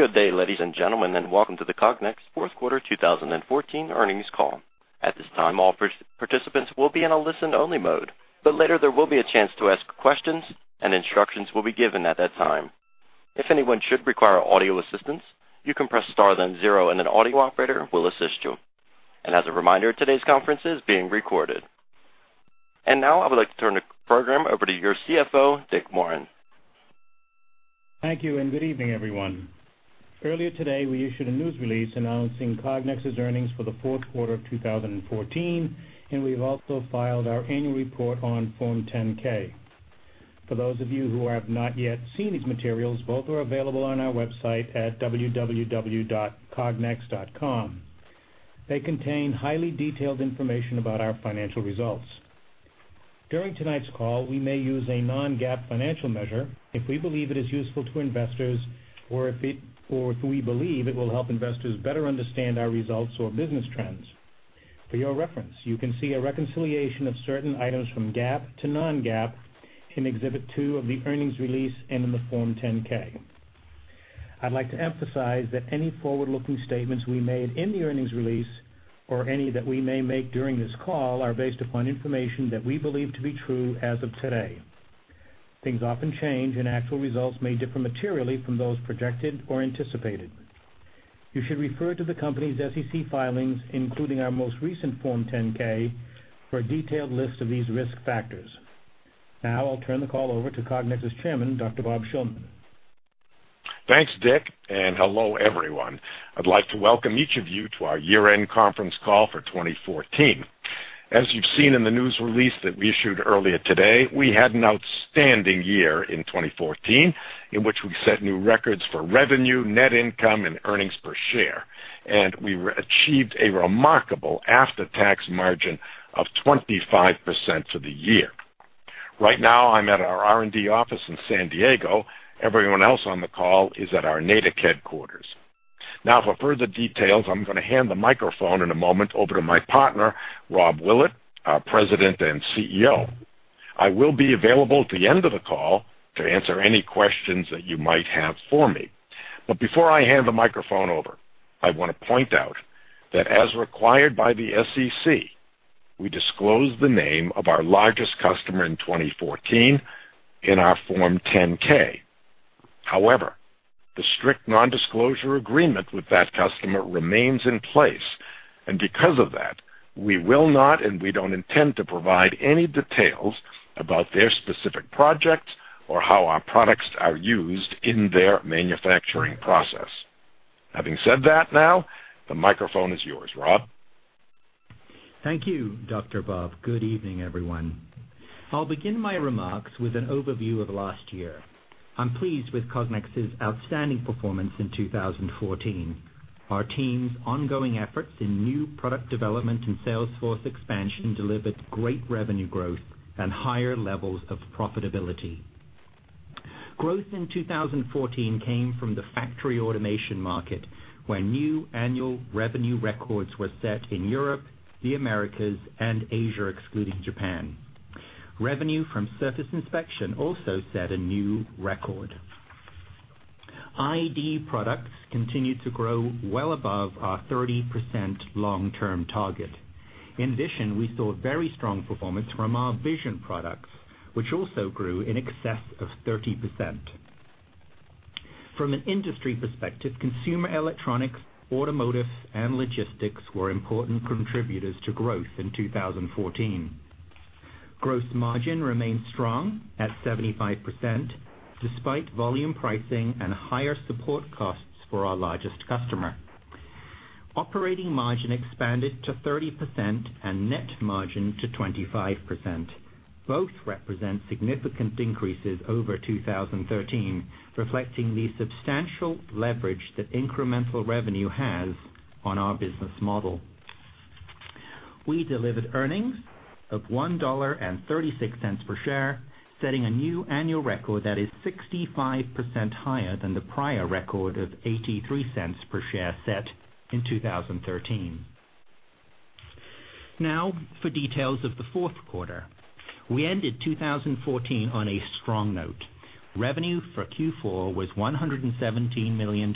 Good day, ladies and gentlemen, and welcome to the Fourth Quarter 2014 earnings call. At this time, all participants will be in a listen-only mode, but later there will be a chance to ask questions, and instructions will be given at that time. If anyone should require audio assistance, you can press star then zero, and an audio operator will assist you. As a reminder, today's conference is being recorded. Now I would like to turn the program over to your CFO, Dick Morin. Thank you, and good evening, everyone. Earlier today, we issued a news release announcing Cognex's earnings for the fourth quarter of 2014, and we have also filed our annual report on Form 10-K. For those of you who have not yet seen these materials, both are available on our website at www.cognex.com. They contain highly detailed information about our financial results. During tonight's call, we may use a non-GAAP financial measure if we believe it is useful to investors, or if we believe it will help investors better understand our results or business trends. For your reference, you can see a reconciliation of certain items from GAAP to non-GAAP in Exhibit 2 of the earnings release and in the Form 10-K. I'd like to emphasize that any forward-looking statements we made in the earnings release, or any that we may make during this call, are based upon information that we believe to be true as of today. Things often change, and actual results may differ materially from those projected or anticipated. You should refer to the company's SEC filings, including our most recent Form 10-K, for a detailed list of these risk factors. Now I'll turn the call over to Cognex's Chairman, Dr. Bob Shillman. Thanks, Dick, and hello everyone. I'd like to welcome each of you to our year-end conference call for 2014. As you've seen in the news release that we issued earlier today, we had an outstanding year in 2014 in which we set new records for revenue, net income, and earnings per share, and we achieved a remarkable after-tax margin of 25% for the year. Right now, I'm at our R&D office in San Diego. Everyone else on the call is at our Natick headquarters. Now, for further details, I'm going to hand the microphone in a moment over to my partner, Rob Willett, our President and CEO. I will be available at the end of the call to answer any questions that you might have for me. But before I hand the microphone over, I want to point out that, as required by the SEC, we disclosed the name of our largest customer in 2014 in our Form 10-K. However, the strict non-disclosure agreement with that customer remains in place, and because of that, we will not, and we don't intend to provide any details about their specific projects or how our products are used in their manufacturing process. Having said that, now the microphone is yours, Rob. Thank you, Dr. Bob. Good evening, everyone. I'll begin my remarks with an overview of last year. I'm pleased with Cognex's outstanding performance in 2014. Our team's ongoing efforts in new product development and sales force expansion delivered great revenue growth and higher levels of profitability. Growth in 2014 came from the factory automation market, where new annual revenue records were set in Europe, the Americas, and Asia, excluding Japan. Revenue from surface inspection also set a new record. ID products continued to grow well above our 30% long-term target. In addition, we saw very strong performance from our vision products, which also grew in excess of 30%. From an industry perspective, consumer electronics, automotive, and logistics were important contributors to growth in 2014. Gross margin remained strong at 75% despite volume pricing and higher support costs for our largest customer. Operating margin expanded to 30% and net margin to 25%. Both represent significant increases over 2013, reflecting the substantial leverage that incremental revenue has on our business model. We delivered earnings of $1.36 per share, setting a new annual record that is 65% higher than the prior record of $0.83 per share set in 2013. Now for details of the fourth quarter. We ended 2014 on a strong note. Revenue for Q4 was $117 million,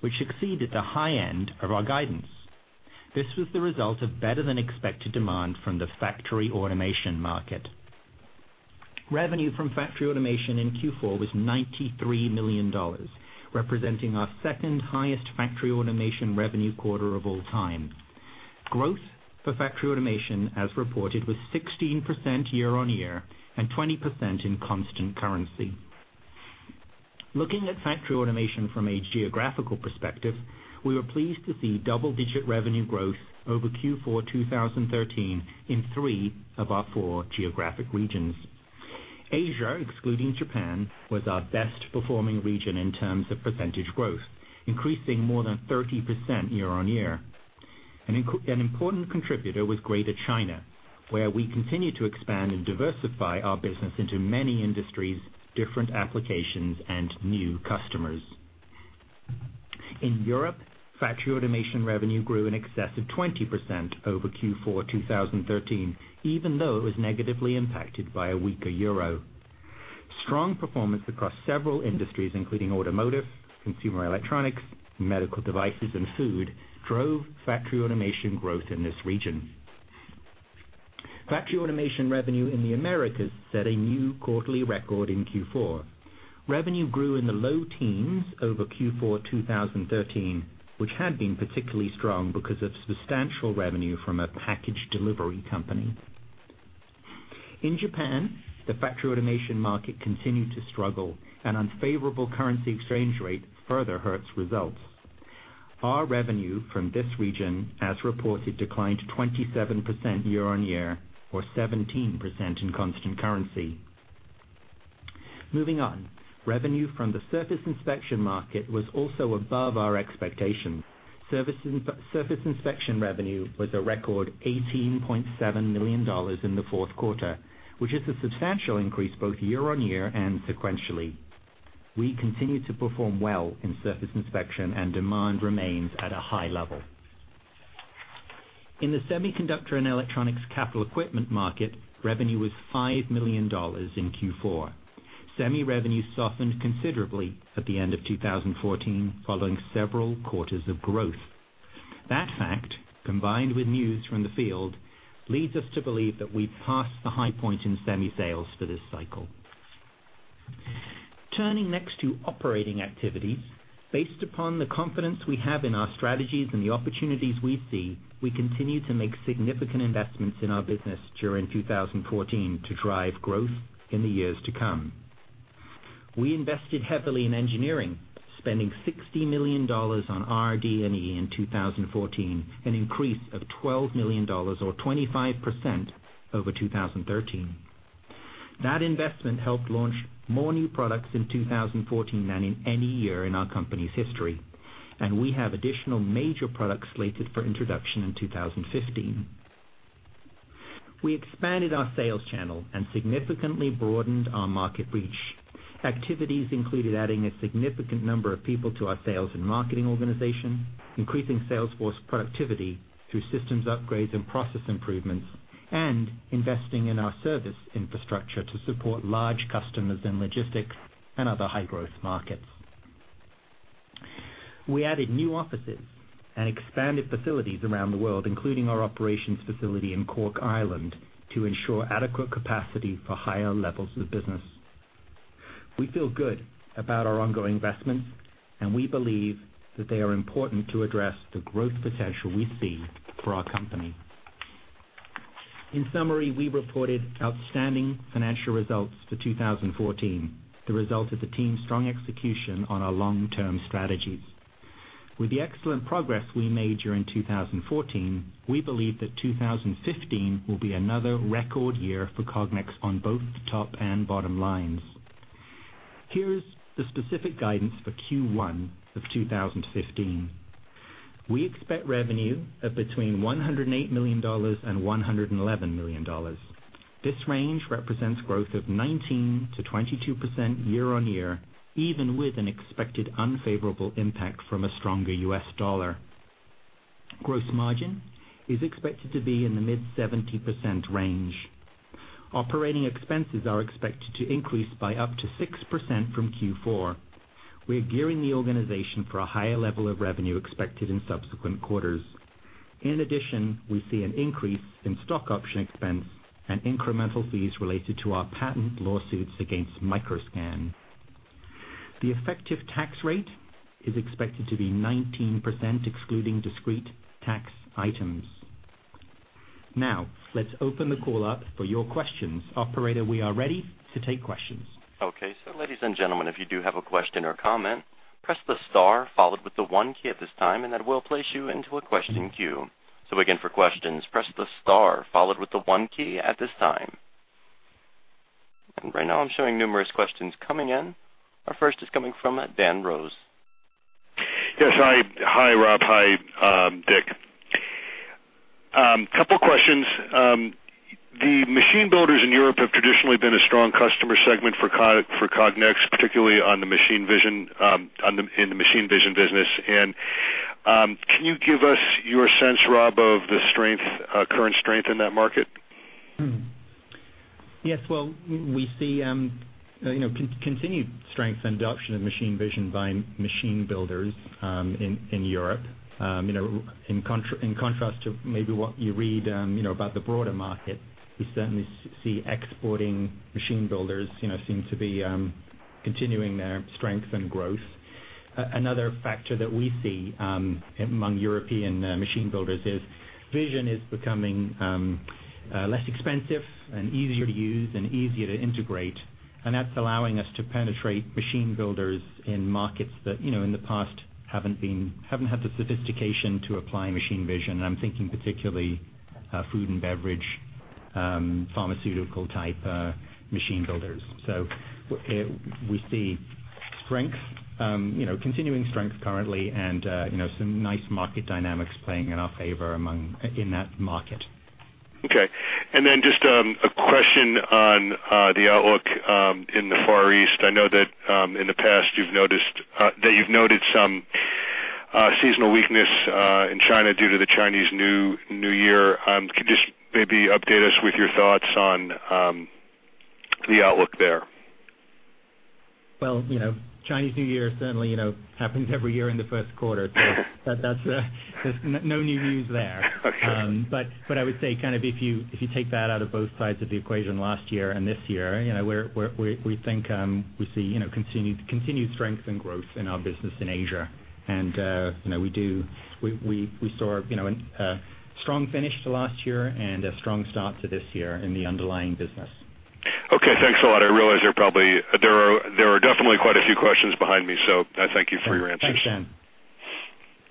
which exceeded the high end of our guidance. This was the result of better-than-expected demand from the factory automation market. Revenue from factory automation in Q4 was $93 million, representing our second-highest factory automation revenue quarter of all time. Growth for factory automation, as reported, was 16% year-over-year and 20% in constant currency. Looking at factory automation from a geographical perspective, we were pleased to see double-digit revenue growth over Q4 2013 in three of our four geographic regions. Asia, excluding Japan, was our best-performing region in terms of percentage growth, increasing more than 30% year-over-year. An important contributor was Greater China, where we continue to expand and diversify our business into many industries, different applications, and new customers. In Europe, factory automation revenue grew in excess of 20% over Q4 2013, even though it was negatively impacted by a weaker euro. Strong performance across several industries, including automotive, consumer electronics, medical devices, and food, drove factory automation growth in this region. Factory automation revenue in the Americas set a new quarterly record in Q4. Revenue grew in the low teens over Q4 2013, which had been particularly strong because of substantial revenue from a package delivery company. In Japan, the factory automation market continued to struggle, and unfavorable currency exchange rate further hurt results. Our revenue from this region, as reported, declined 27% year-over-year, or 17% in constant currency. Moving on, revenue from the surface inspection market was also above our expectations. Surface inspection revenue was a record $18.7 million in the fourth quarter, which is a substantial increase both year-over-year and sequentially. We continue to perform well in surface inspection, and demand remains at a high level. In the semiconductor and electronics capital equipment market, revenue was $5 million in Q4. Semi revenue softened considerably at the end of 2014, following several quarters of growth. That fact, combined with news from the field, leads us to believe that we've passed the high point in semi sales for this cycle. Turning next to operating activities, based upon the confidence we have in our strategies and the opportunities we see, we continue to make significant investments in our business during 2014 to drive growth in the years to come. We invested heavily in engineering, spending $60 million on R&D and E in 2014, an increase of $12 million, or 25%, over 2013. That investment helped launch more new products in 2014 than in any year in our company's history, and we have additional major products slated for introduction in 2015. We expanded our sales channel and significantly broadened our market reach. Activities included adding a significant number of people to our sales and marketing organization, increasing Sales force productivity through systems upgrades and process improvements, and investing in our service infrastructure to support large customers in logistics and other high-growth markets. We added new offices and expanded facilities around the world, including our operations facility in Cork, Ireland, to ensure adequate capacity for higher levels of business. We feel good about our ongoing investments, and we believe that they are important to address the growth potential we see for our company. In summary, we reported outstanding financial results for 2014, the result of the team's strong execution on our long-term strategies. With the excellent progress we made during 2014, we believe that 2015 will be another record year for Cognex on both the top and bottom lines. Here's the specific guidance for Q1 of 2015. We expect revenue of between $108 million and $111 million. This range represents growth of 19%-22% year-on-year, even with an expected unfavorable impact from a stronger US dollar. Gross margin is expected to be in the mid-70% range. Operating expenses are expected to increase by up to 6% from Q4. We're gearing the organization for a higher level of revenue expected in subsequent quarters. In addition, we see an increase in stock option expense and incremental fees related to our patent lawsuits against Microscan. The effective tax rate is expected to be 19%, excluding discrete tax items. Now, let's open the call up for your questions. Operator, we are ready to take questions. Okay. So, ladies and gentlemen, if you do have a question or comment, press the star followed with the one key at this time, and that will place you into a question queue. So again, for questions, press the star followed with the one key at this time. And right now, I'm showing numerous questions coming in. Our first is coming from Ben Rose. Yes. Hi, Rob. Hi, Dick. A couple of questions. The machine builders in Europe have traditionally been a strong customer segment for Cognex, particularly on the machine vision in the machine vision business. Can you give us your sense, Rob, of the current strength in that market? Yes. Well, we see continued strength and adoption of machine vision by machine builders in Europe. In contrast to maybe what you read about the broader market, we certainly see exporting machine builders seem to be continuing their strength and growth. Another factor that we see among European machine builders is vision is becoming less expensive and easier to use and easier to integrate, and that's allowing us to penetrate machine builders in markets that in the past haven't had the sophistication to apply machine vision. And I'm thinking particularly food and beverage, pharmaceutical-type machine builders. So we see continuing strength currently and some nice market dynamics playing in our favor in that market. Okay. And then just a question on the outlook in the Far East. I know that in the past, you've noted some seasonal weakness in China due to the Chinese New Year. Could you just maybe update us with your thoughts on the outlook there? Well, Chinese New Year certainly happens every year in the first quarter, so there's no new news there. But I would say kind of if you take that out of both sides of the equation last year and this year, we think we see continued strength and growth in our business in Asia. And we saw a strong finish to last year and a strong start to this year in the underlying business. Okay. Thanks a lot. I realize there are definitely quite a few questions behind me, so I thank you for your answers. Thanks, Dan.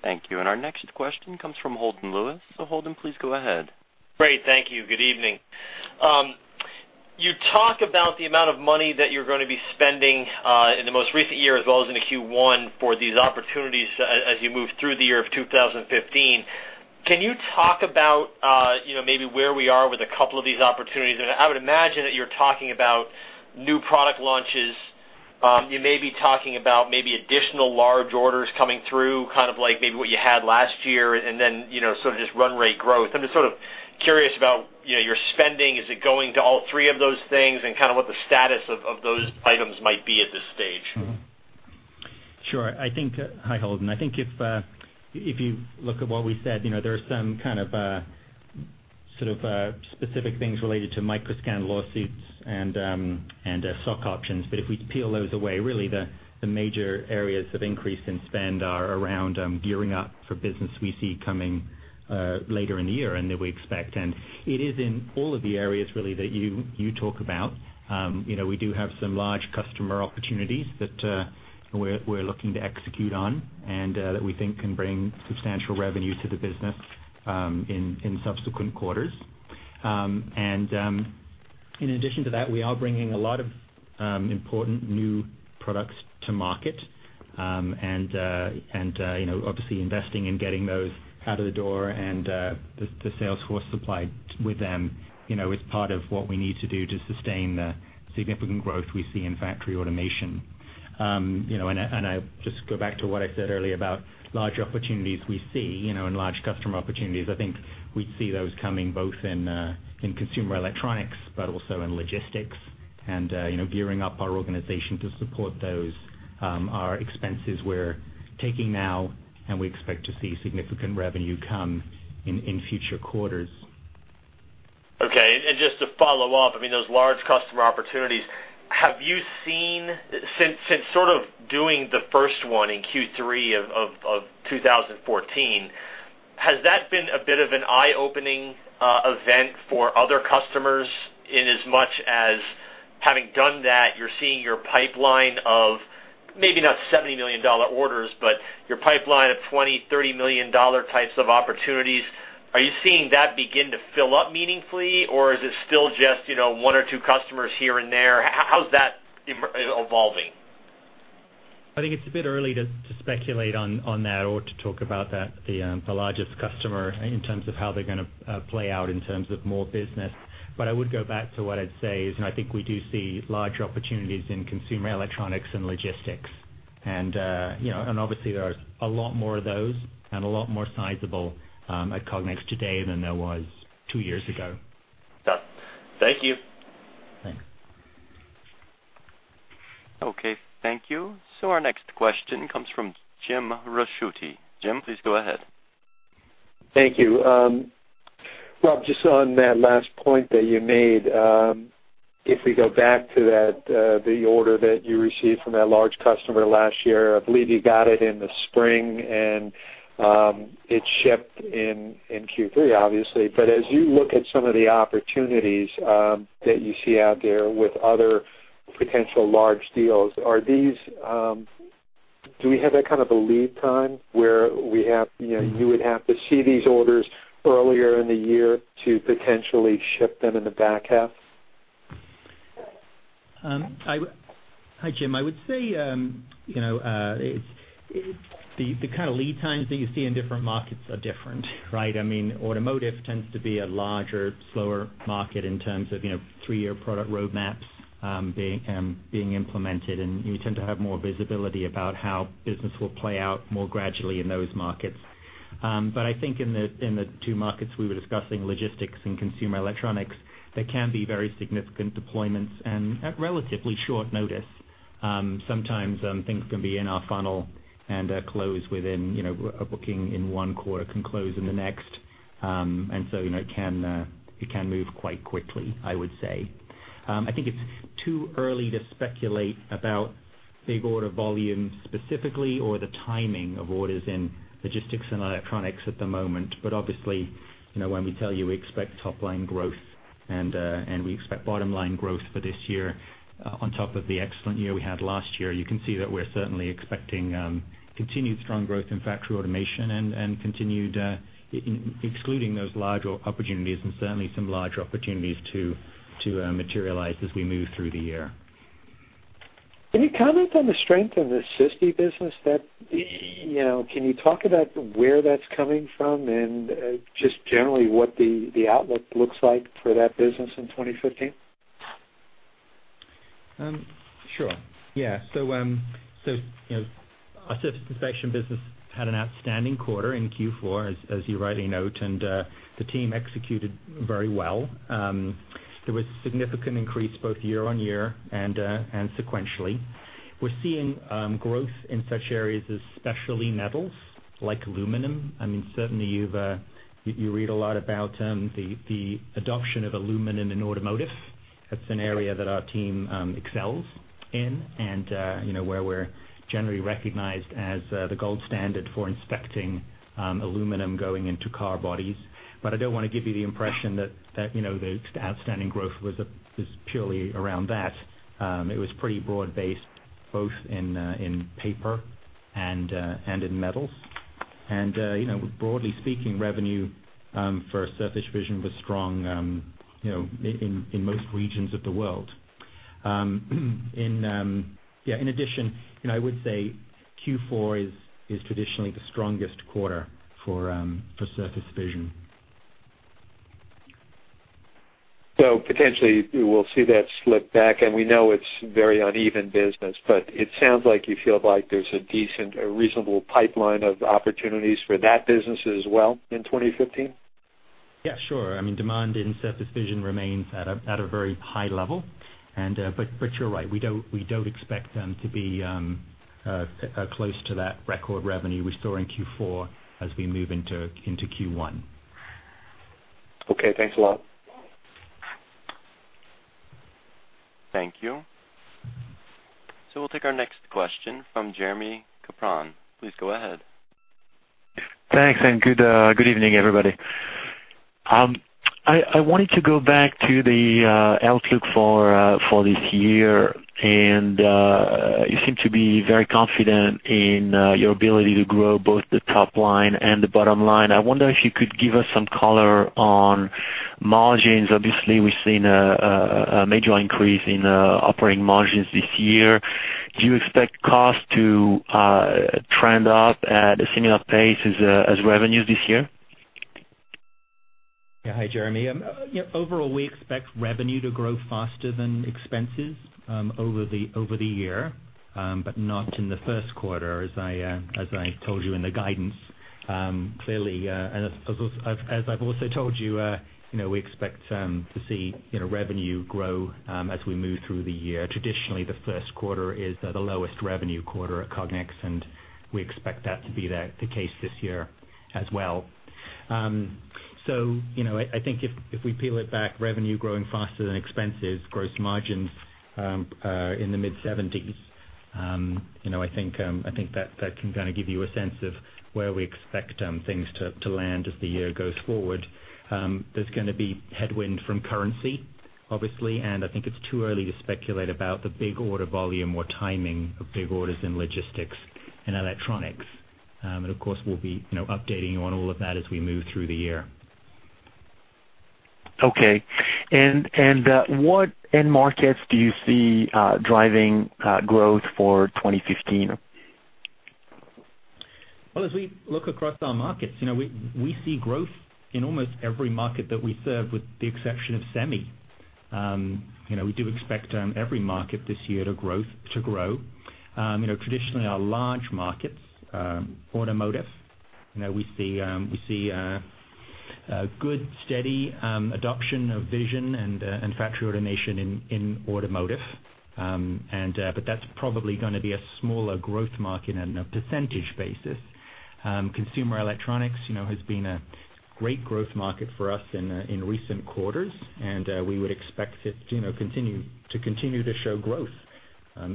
Thank you. And our next question comes from Holden Lewis. Holden, please go ahead. Great. Thank you. Good evening. You talk about the amount of money that you're going to be spending in the most recent year as well as in Q1 for these opportunities as you move through the year of 2015. Can you talk about maybe where we are with a couple of these opportunities? I would imagine that you're talking about new product launches. You may be talking about maybe additional large orders coming through, kind of like maybe what you had last year, and then sort of just run rate growth. I'm just sort of curious about your spending. Is it going to all three of those things and kind of what the status of those items might be at this stage? Sure. Hi, Holden. I think if you look at what we said, there are some kind of sort of specific things related to MicroScan lawsuits and stock options. But if we peel those away, really, the major areas of increase in spend are around gearing up for business we see coming later in the year and that we expect. It is in all of the areas really that you talk about. We do have some large customer opportunities that we're looking to execute on and that we think can bring substantial revenue to the business in subsequent quarters. In addition to that, we are bringing a lot of important new products to market and obviously investing in getting those out of the door and the sales force supplied with them is part of what we need to do to sustain the significant growth we see in factory automation. I just go back to what I said earlier about large opportunities we see and large customer opportunities. I think we see those coming both in consumer electronics but also in logistics and gearing up our organization to support those. Our expenses we're taking now, and we expect to see significant revenue come in future quarters. Okay. And just to follow up, I mean, those large customer opportunities, have you seen since sort of doing the first one in Q3 of 2014, has that been a bit of an eye-opening event for other customers in as much as having done that, you're seeing your pipeline of maybe not $70 million orders, but your pipeline of $20-$30 million types of opportunities? Are you seeing that begin to fill up meaningfully, or is it still just one or two customers here and there? How's that evolving? I think it's a bit early to speculate on that or to talk about the largest customer in terms of how they're going to play out in terms of more business. But I would go back to what I'd say is I think we do see large opportunities in consumer electronics and logistics. And obviously, there are a lot more of those and a lot more sizable at Cognex today than there was two years ago. Thank you. Thanks. Okay. Thank you. So our next question comes from Jim Ricchiuti. Jim, please go ahead. Thank you. Rob, just on that last point that you made, if we go back to the order that you received from that large customer last year, I believe you got it in the spring, and it shipped in Q3, obviously. But as you look at some of the opportunities that you see out there with other potential large deals, do we have that kind of a lead time where you would have to see these orders earlier in the year to potentially ship them in the back half? Hi, Jim. I would say the kind of lead times that you see in different markets are different, right? I mean, automotive tends to be a larger, slower market in terms of three-year product roadmaps being implemented, and you tend to have more visibility about how business will play out more gradually in those markets. But I think in the two markets we were discussing, logistics and consumer electronics, there can be very significant deployments and at relatively short notice. Sometimes things can be in our funnel and close within a booking in one quarter can close in the next. And so it can move quite quickly, I would say. I think it's too early to speculate about big order volume specifically or the timing of orders in logistics and electronics at the moment. But obviously, when we tell you we expect top-line growth and we expect bottom-line growth for this year on top of the excellent year we had last year, you can see that we're certainly expecting continued strong growth in factory automation and excluding those larger opportunities and certainly some larger opportunities to materialize as we move through the year. Can you comment on the strength of the SISD business? Can you talk about where that's coming from and just generally what the outlook looks like for that business in 2015? Sure. Yeah. So our surface inspection business had an outstanding quarter in Q4, as you rightly note, and the team executed very well. There was significant increase both year-on-year and sequentially. We're seeing growth in such areas as especially metals like aluminum. I mean, certainly, you read a lot about the adoption of aluminum in automotive. That's an area that our team excels in and where we're generally recognized as the gold standard for inspecting aluminum going into car bodies. But I don't want to give you the impression that the outstanding growth was purely around that. It was pretty broad-based both in paper and in metals. And broadly speaking, revenue for surface vision was strong in most regions of the world. Yeah. In addition, I would say Q4 is traditionally the strongest quarter for surface vision. Potentially, we'll see that slip back. We know it's very uneven business, but it sounds like you feel like there's a reasonable pipeline of opportunities for that business as well in 2015? Yeah. Sure. I mean, demand in surface inspection remains at a very high level. But you're right. We don't expect them to be close to that record revenue we saw in Q4 as we move into Q1. Okay. Thanks a lot. Thank you. We'll take our next question from Jeremy Capron. Please go ahead. Thanks. Good evening, everybody. I wanted to go back to the outlook for this year, and you seem to be very confident in your ability to grow both the top line and the bottom line. I wonder if you could give us some color on margins. Obviously, we've seen a major increase in operating margins this year. Do you expect costs to trend up at a similar pace as revenues this year? Yeah. Hi, Jeremy. Overall, we expect revenue to grow faster than expenses over the year, but not in the first quarter, as I told you in the guidance. Clearly, as I've also told you, we expect to see revenue grow as we move through the year. Traditionally, the first quarter is the lowest revenue quarter at Cognex, and we expect that to be the case this year as well. So I think if we peel it back, revenue growing faster than expenses, gross margins in the mid-70s%, I think that can kind of give you a sense of where we expect things to land as the year goes forward. There's going to be headwind from currency, obviously, and I think it's too early to speculate about the big order volume or timing of big orders in logistics and electronics. Of course, we'll be updating you on all of that as we move through the year. Okay. What end markets do you see driving growth for 2015? Well, as we look across our markets, we see growth in almost every market that we serve, with the exception of semi. We do expect every market this year to grow. Traditionally, our large markets, automotive, we see good, steady adoption of vision and factory automation in automotive. But that's probably going to be a smaller growth market on a percentage basis. Consumer electronics has been a great growth market for us in recent quarters, and we would expect it to continue to show growth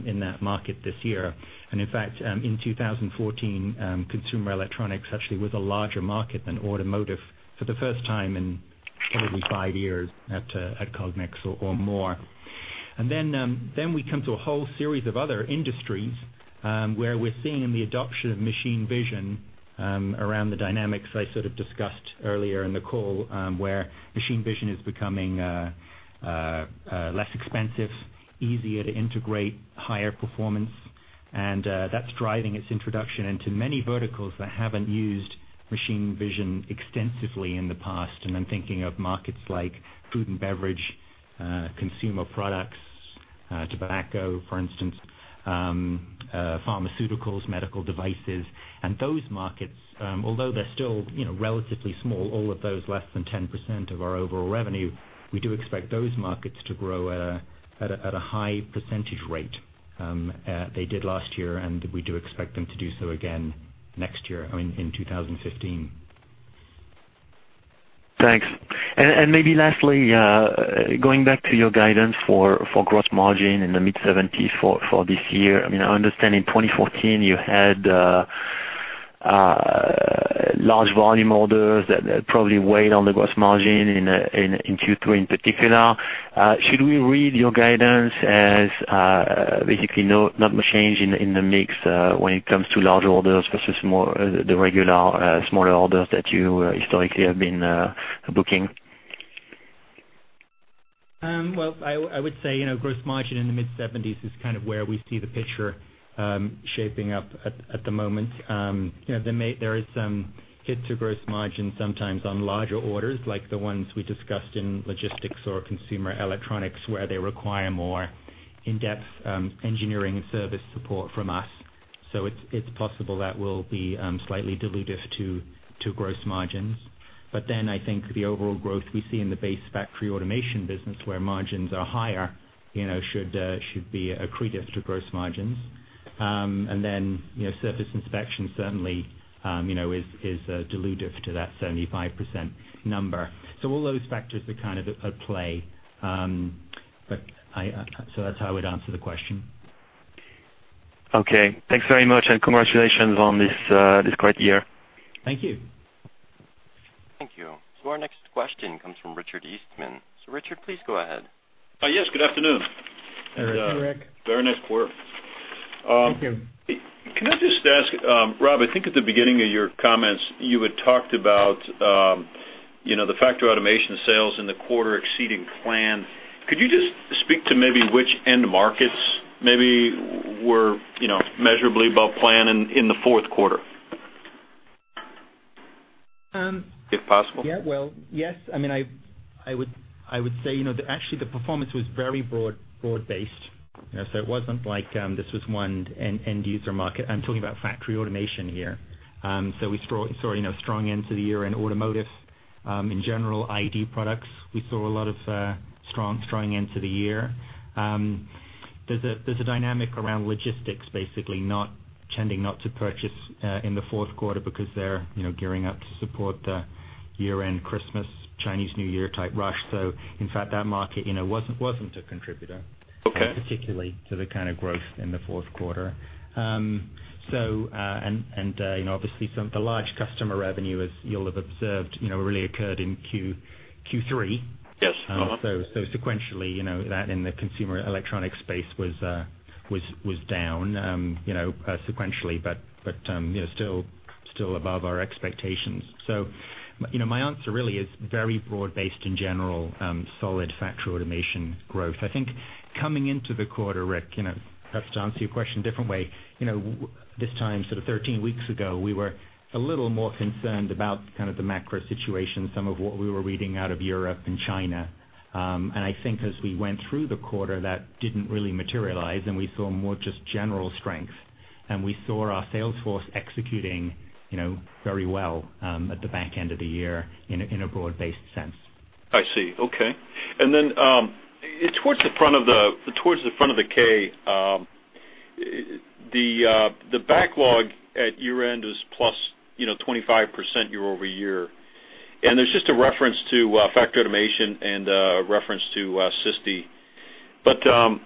in that market this year. And in fact, in 2014, consumer electronics actually was a larger market than automotive for the first time in probably five years at Cognex or more. And then we come to a whole series of other industries where we're seeing the adoption of machine vision around the dynamics I sort of discussed earlier in the call, where machine vision is becoming less expensive, easier to integrate, higher performance. And that's driving its introduction into many verticals that haven't used machine vision extensively in the past. And I'm thinking of markets like food and beverage, consumer products, tobacco, for instance, pharmaceuticals, medical devices. And those markets, although they're still relatively small, all of those less than 10% of our overall revenue, we do expect those markets to grow at a high percentage rate they did last year, and we do expect them to do so again next year in 2015. Thanks. Maybe lastly, going back to your guidance for gross margin in the mid-70s% for this year, I mean, I understand in 2014 you had large volume orders that probably weighed on the gross margin in Q3 in particular. Should we read your guidance as basically not much change in the mix when it comes to large orders versus the regular smaller orders that you historically have been booking? Well, I would say gross margin in the mid-70s% is kind of where we see the picture shaping up at the moment. There is some hit to gross margin sometimes on larger orders like the ones we discussed in logistics or consumer electronics where they require more in-depth engineering and service support from us. So it's possible that will be slightly dilutive to gross margins. But then I think the overall growth we see in the base factory automation business where margins are higher should be a credence to gross margins. And then surface inspection certainly is dilutive to that 75% number. So all those factors are kind of at play. So that's how I would answer the question. Okay. Thanks very much, and congratulations on this great year. Thank you. Thank you. So our next question comes from Richard Eastman. So Richard, please go ahead. Yes. Good afternoon. Very nice quarter. Thank you. Can I just ask, Rob, I think at the beginning of your comments, you had talked about the factory automation sales in the quarter exceeding plan. Could you just speak to maybe which end markets maybe were measurably above plan in the fourth quarter, if possible? Yeah. Well, yes. I mean, I would say actually the performance was very broad-based. So it wasn't like this was one end-user market. I'm talking about factory automation here. So we saw strong end-of-the-year in automotive. In general, ID products, we saw a lot of strong end-of-the-year. There's a dynamic around logistics, basically tending not to purchase in the fourth quarter because they're gearing up to support the year-end Christmas, Chinese New Year-type rush. So in fact, that market wasn't a contributor particularly to the kind of growth in the fourth quarter. And obviously, the large customer revenue, as you'll have observed, really occurred in Q3. So sequentially, that in the consumer electronics space was down sequentially but still above our expectations. So my answer really is very broad-based in general, solid factory automation growth. I think coming into the quarter, Rick, perhaps to answer your question a different way, this time, sort of 13 weeks ago, we were a little more concerned about kind of the macro situation, some of what we were reading out of Europe and China. I think as we went through the quarter, that didn't really materialize, and we saw more just general strength. We saw our sales force executing very well at the back end of the year in a broad-based sense. I see. Okay. Then towards the front of the K, the backlog at year-end is +25% year-over-year. And there's just a reference to factory automation and a reference to SISD. But the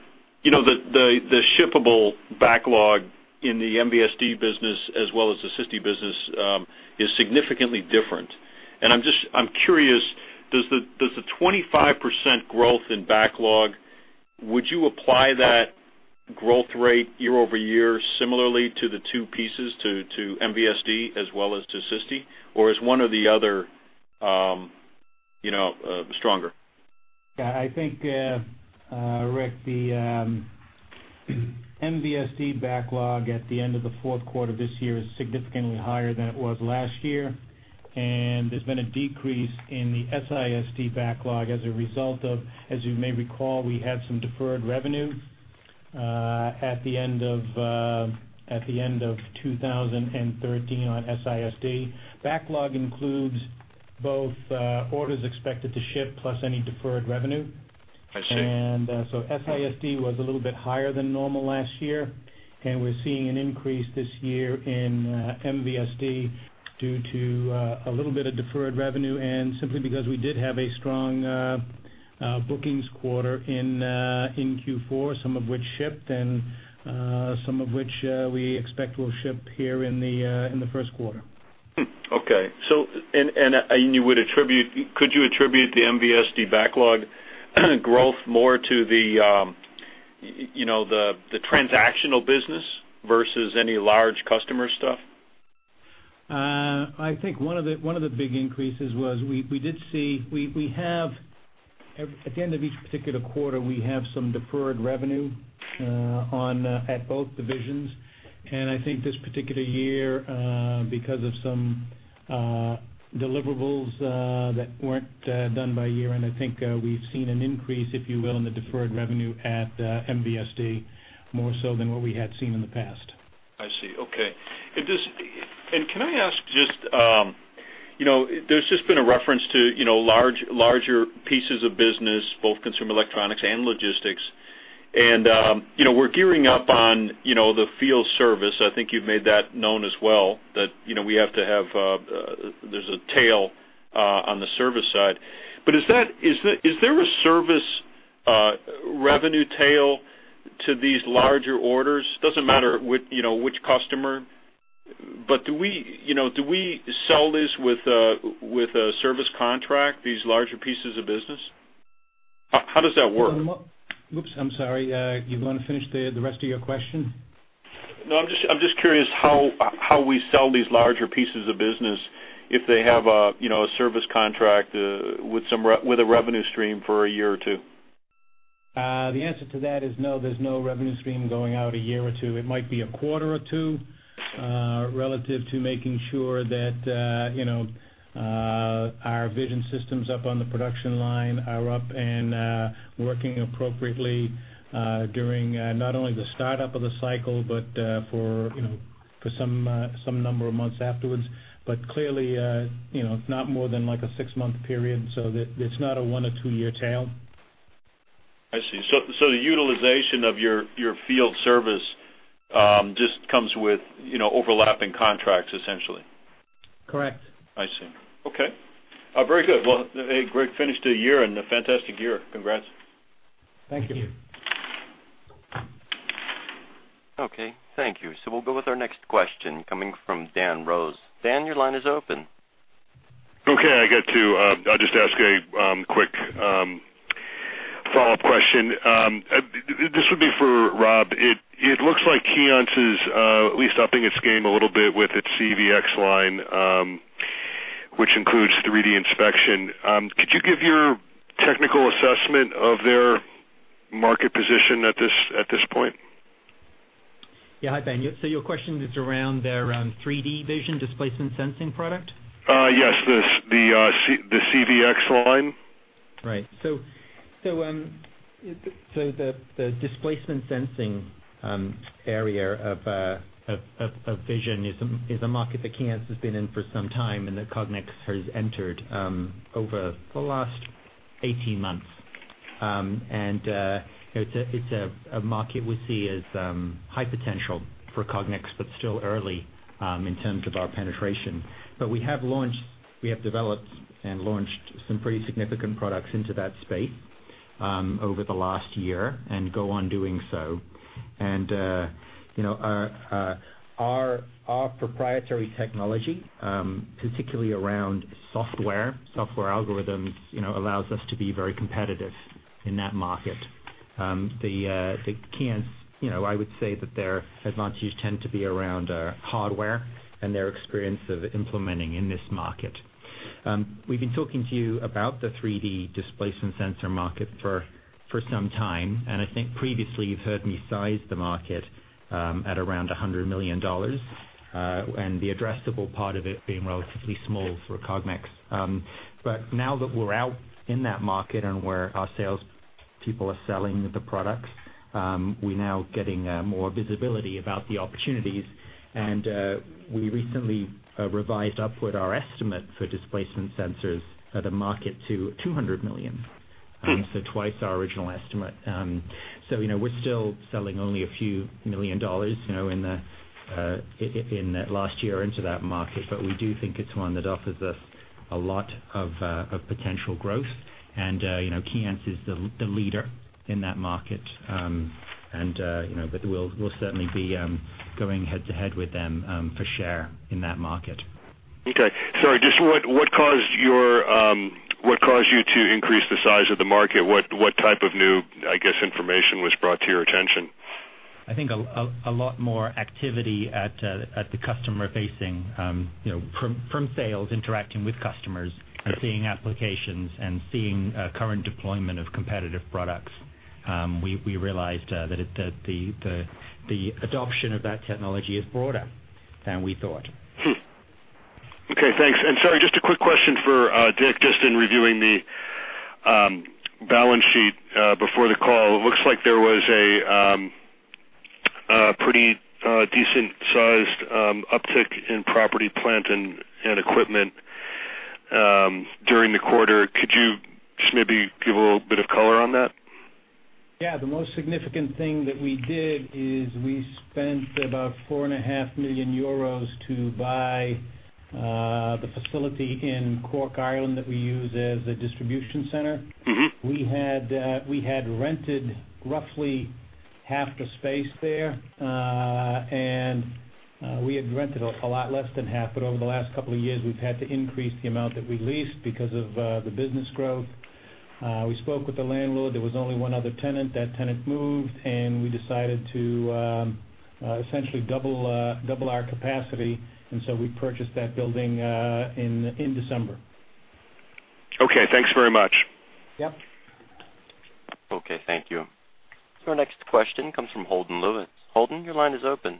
shippable backlog in the MVSD business as well as the SISD business is significantly different. And I'm curious, does the 25% growth in backlog, would you apply that growth rate year-over-year similarly to the two pieces, to MVSD as well as to SISD, or is one or the other stronger? Yeah. I think, Rick, the MVSD backlog at the end of the fourth quarter of this year is significantly higher than it was last year. There's been a decrease in the SISD backlog as a result of, as you may recall, we had some deferred revenue at the end of 2013 on SISD. Backlog includes both orders expected to ship plus any deferred revenue. And so SISD was a little bit higher than normal last year. We're seeing an increase this year in MVSD due to a little bit of deferred revenue and simply because we did have a strong bookings quarter in Q4, some of which shipped and some of which we expect will ship here in the first quarter. Okay. And you would attribute, could you attribute the MVSD backlog growth more to the transactional business versus any large customer stuff? I think one of the big increases was we did see we have at the end of each particular quarter, we have some deferred revenue at both divisions. I think this particular year, because of some deliverables that weren't done by year, and I think we've seen an increase, if you will, in the deferred revenue at MVSD more so than what we had seen in the past. I see. Okay. And can I ask, just, there's just been a reference to larger pieces of business, both consumer electronics and logistics. And we're gearing up on the field service. I think you've made that known as well, that we have to have there's a tail on the service side. But is there a service revenue tail to these larger orders? Doesn't matter which customer, but do we sell this with a service contract, these larger pieces of business? How does that work? Oops. I'm sorry. You're going to finish the rest of your question? No. I'm just curious how we sell these larger pieces of business if they have a service contract with a revenue stream for a year or two. The answer to that is no. There's no revenue stream going out a year or two. It might be a quarter or two relative to making sure that our vision systems up on the production line are up and working appropriately during not only the startup of the cycle but for some number of months afterwards, but clearly not more than a six-month period. So it's not a one or two-year tail. I see. So the utilization of your field service just comes with overlapping contracts, essentially? Correct. I see. Okay. Very good. Well, hey, great finish to the year and a fantastic year. Congrats. Thank you. Okay. Thank you. So we'll go with our next question coming from Ben Rose. Ben, your line is open. Okay. I got to just ask a quick follow-up question. This would be for Rob. It looks like Keyence is at least upping its game a little bit with its CV-X line, which includes 3D inspection. Could you give your technical assessment of their market position at this point? Yeah. Hi, Ben. So your question is around their 3D vision displacement sensing product? Yes. The CV-X line? Right. So the displacement sensing area of vision is a market that Keyence's has been in for some time, and that Cognex has entered over the last 18 months. And it's a market we see as high potential for Cognex, but still early in terms of our penetration. But we have launched, we have developed and launched some pretty significant products into that space over the last year and go on doing so. And our proprietary technology, particularly around software, software algorithms, allows us to be very competitive in that market. The Keyence, I would say that their advantages tend to be around hardware and their experience of implementing in this market. We've been talking to you about the 3D displacement sensor market for some time. I think previously you've heard me size the market at around $100 million and the addressable part of it being relatively small for Cognex. But now that we're out in that market and where our salespeople are selling the products, we're now getting more visibility about the opportunities. And we recently revised upward our estimate for displacement sensors at the market to $200 million, so twice our original estimate. So we're still selling only a few million dollars in the last year into that market, but we do think it's one that offers us a lot of potential growth. And Keyence's is the leader in that market. And we'll certainly be going head-to-head with them for share in that market. Okay. Sorry. Just what caused you to increase the size of the market? What type of new, I guess, information was brought to your attention? I think a lot more activity at the customer-facing from sales, interacting with customers and seeing applications and seeing current deployment of competitive products. We realized that the adoption of that technology is broader than we thought. Okay. Thanks. And sorry, just a quick question for Dick, just in reviewing the balance sheet before the call. It looks like there was a pretty decent-sized uptick in property plant and equipment during the quarter. Could you just maybe give a little bit of color on that? Yeah. The most significant thing that we did is we spent about 4.5 million euros to buy the facility in Cork, Ireland, that we use as a distribution center. We had rented roughly half the space there, and we had rented a lot less than half. But over the last couple of years, we've had to increase the amount that we leased because of the business growth. We spoke with the landlord. There was only one other tenant. That tenant moved, and we decided to essentially double our capacity. And so we purchased that building in December. Okay. Thanks very much. Yep. Okay. Thank you. Our next question comes from Holden Lewis. Holden, your line is open.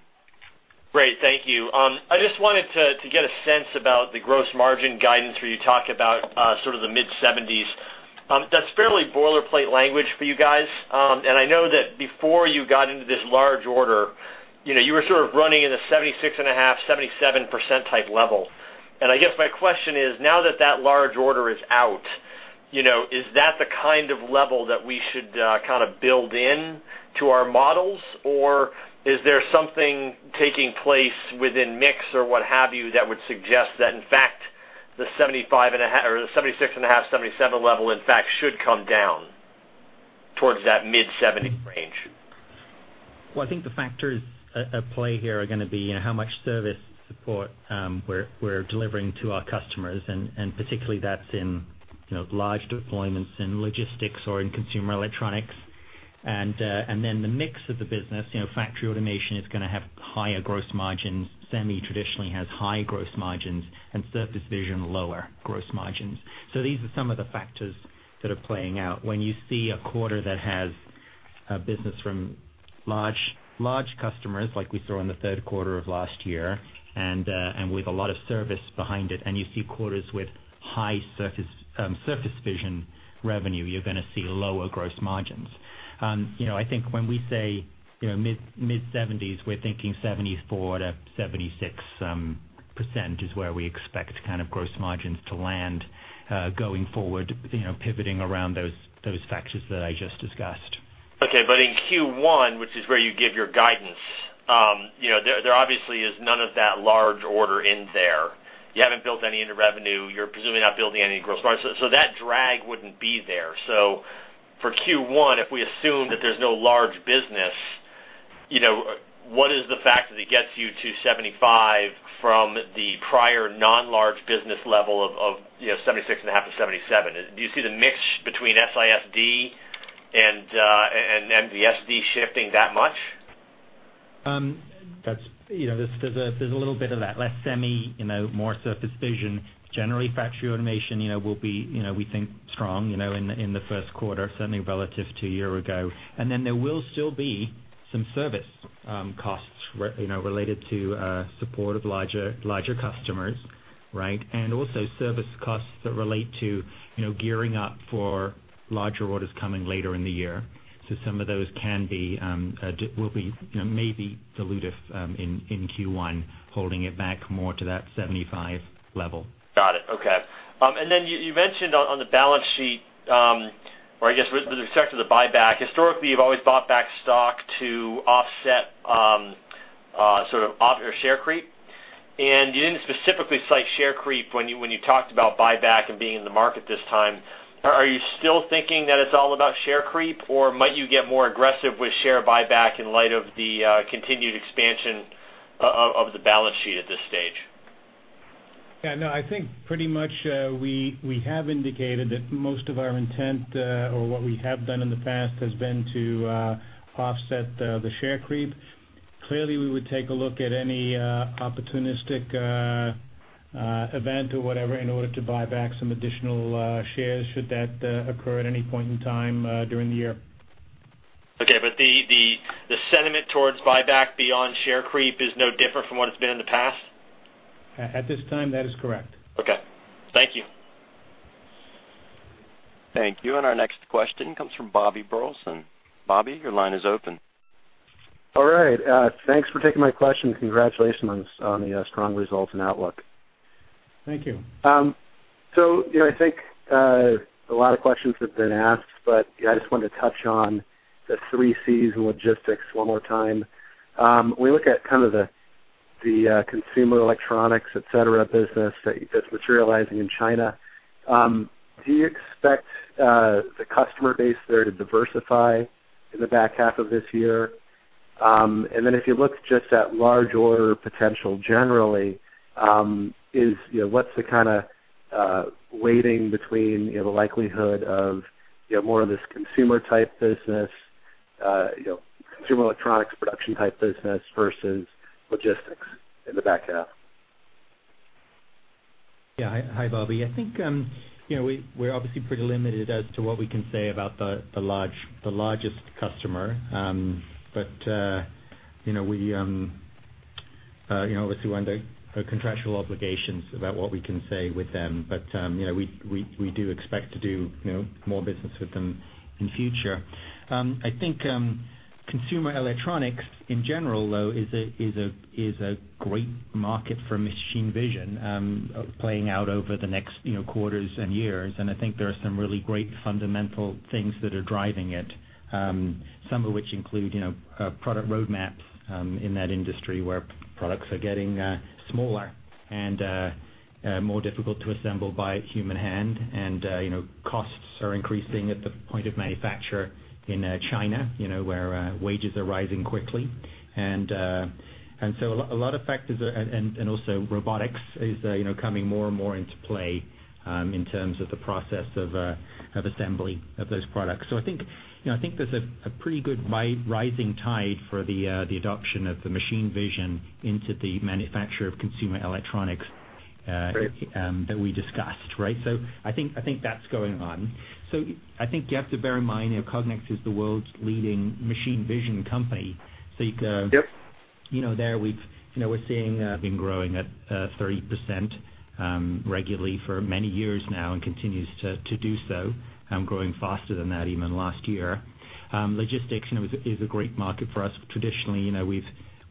Great. Thank you. I just wanted to get a sense about the gross margin guidance where you talk about sort of the mid-70s%. That's fairly boilerplate language for you guys. And I know that before you got into this large order, you were sort of running in the 76.5%-77% type level. And I guess my question is, now that that large order is out, is that the kind of level that we should kind of build into our models, or is there something taking place within mix or what have you that would suggest that, in fact, the 75% or the 76.5%-77% level, in fact, should come down towards that mid-70% range? Well, I think the factors at play here are going to be how much service support we're delivering to our customers. And particularly, that's in large deployments in logistics or in consumer electronics. And then the mix of the business, factory automation is going to have higher gross margins. Semi traditionally has high gross margins and surface vision lower gross margins. So these are some of the factors that are playing out. When you see a quarter that has business from large customers like we saw in the third quarter of last year and with a lot of service behind it, and you see quarters with high surface vision revenue, you're going to see lower gross margins. I think when we say mid-70s, we're thinking 74%-76% is where we expect kind of gross margins to land going forward, pivoting around those factors that I just discussed. Okay. But in Q1, which is where you give your guidance, there obviously is none of that large order in there. You haven't built any into revenue. You're presumably not building any gross margins. So that drag wouldn't be there. So for Q1, if we assume that there's no large business, what is the factor that gets you to 75 from the prior non-large business level of 76.5 to 77? Do you see the mix between SISD and MVSD shifting that much? There's a little bit of that. Less semi, more surface vision. Generally, factory automation will be, we think, strong in the first quarter, certainly relative to a year ago. And then there will still be some service costs related to support of larger customers, right, and also service costs that relate to gearing up for larger orders coming later in the year. So some of those can be will be maybe dilutive in Q1, holding it back more to that 75 level. Got it. Okay. Then you mentioned on the balance sheet, or I guess with respect to the buyback, historically, you've always bought back stock to offset sort of share creep. You didn't specifically cite share creep when you talked about buyback and being in the market this time. Are you still thinking that it's all about share creep, or might you get more aggressive with share buyback in light of the continued expansion of the balance sheet at this stage? Yeah. No, I think pretty much we have indicated that most of our intent or what we have done in the past has been to offset the Share Creep. Clearly, we would take a look at any opportunistic event or whatever in order to buy back some additional shares should that occur at any point in time during the year. Okay. But the sentiment towards buyback beyond share creep is no different from what it's been in the past? At this time, that is correct. Okay. Thank you. Thank you. Our next question comes from Bobby Burleson. Bobby, your line is open. All right. Thanks for taking my question. Congratulations on the strong results and outlook. Thank you. So I think a lot of questions have been asked, but I just wanted to touch on the three C's in logistics one more time. When we look at kind of the consumer electronics, etc., business that's materializing in China, do you expect the customer base there to diversify in the back half of this year? And then if you look just at large order potential generally, what's the kind of weighting between the likelihood of more of this consumer-type business, consumer electronics production type business versus logistics in the back half? Yeah. Hi, Bobby. I think we're obviously pretty limited as to what we can say about the largest customer. But we obviously want to know contractual obligations about what we can say with them. But we do expect to do more business with them in the future. I think consumer electronics in general, though, is a great market for machine vision playing out over the next quarters and years. And I think there are some really great fundamental things that are driving it, some of which include product roadmaps in that industry where products are getting smaller and more difficult to assemble by human hand. And costs are increasing at the point of manufacture in China where wages are rising quickly. And so a lot of factors and also robotics is coming more and more into play in terms of the process of assembly of those products. So I think there's a pretty good rising tide for the adoption of the machine vision into the manufacture of consumer electronics that we discussed, right? So I think that's going on. So I think you have to bear in mind Cognex is the world's leading machine vision company. So you can see there, we've been growing at 30% regularly for many years now and continues to do so, growing faster than that even last year. Logistics is a great market for us. Traditionally,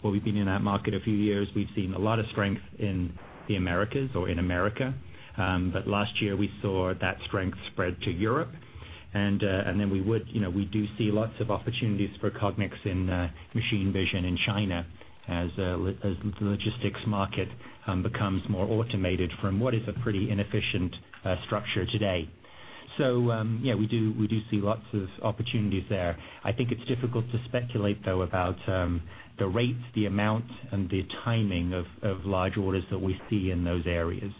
while we've been in that market a few years, we've seen a lot of strength in the Americas or in America. But last year, we saw that strength spread to Europe. And then we do see lots of opportunities for Cognex in machine vision in China as the logistics market becomes more automated from what is a pretty inefficient structure today. So yeah, we do see lots of opportunities there. I think it's difficult to speculate, though, about the rates, the amount, and the timing of large orders that we see in those areas.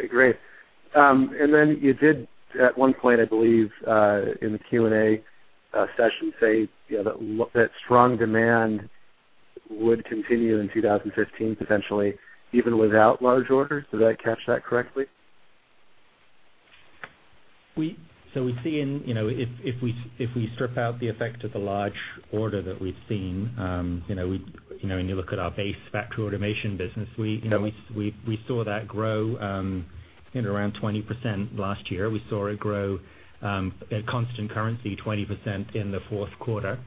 Okay. Great. And then you did at one point, I believe, in the Q&A session, say that strong demand would continue in 2015 potentially even without large orders. Did I catch that correctly? So, if we strip out the effect of the large order that we've seen, and you look at our base factory automation business, we saw that grow around 20% last year. We saw it grow at constant currency, 20% in the fourth quarter.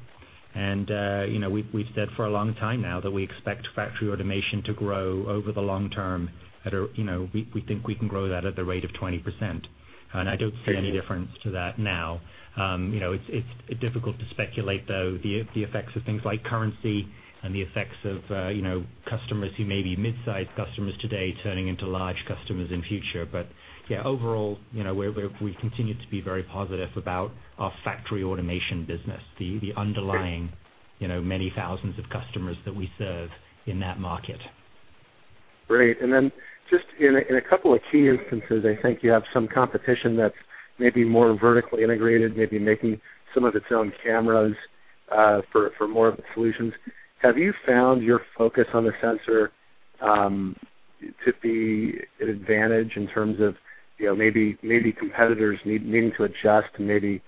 We've said for a long time now that we expect factory automation to grow over the long term. We think we can grow that at the rate of 20%. I don't see any difference to that now. It's difficult to speculate, though, the effects of things like currency and the effects of customers who may be mid-sized customers today turning into large customers in the future. But yeah, overall, we continue to be very positive about our factory automation business, the underlying many thousands of customers that we serve in that market. Great. And then just in a couple of key instances, I think you have some competition that's maybe more vertically integrated, maybe making some of its own cameras for more of the solutions. Have you found your focus on the sensor to be an advantage in terms of maybe competitors needing to adjust and maybe